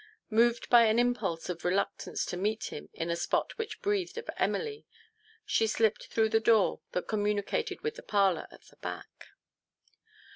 Moved by an impulse of reluctance to meet him in a spot which breathed of Emily, she slipped through the door that communicated with the parlour at the back.